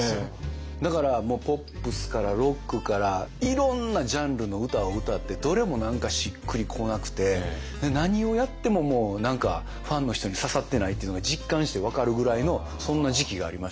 だからもうポップスからロックからいろんなジャンルの歌を歌ってどれも何かしっくり来なくて何をやってももう何かファンの人に刺さってないっていうのが実感して分かるぐらいのそんな時期がありました。